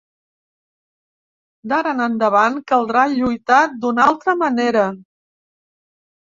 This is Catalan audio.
D'ara en endavant caldrà lluitar d'una altra manera.